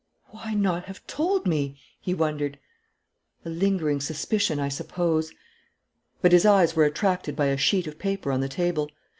"Why not have told me?" he wondered. "A lingering suspicion, I suppose " But his eyes were attracted by a sheet of paper on the table.